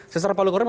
sesar palukoro mana